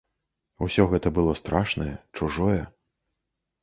Усё гэта было страшнае, чужое.